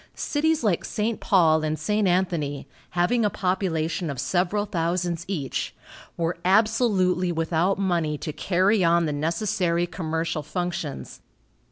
Cities like St. Paul and St. Anthony, having a population of several thousands each, were absolutely without money to carry on the necessary commercial functions.